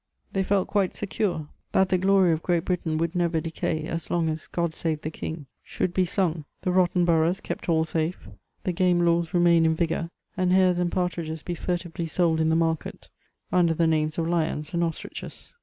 They felt quite secure that the glory of Great Britain would never decay as long as ''God save the King" should be sung; the rotten boroughs kept all safe ; the game laws remain in vigour, and hares and partridges be furtively sold in the market imder the names of lions and ostriches.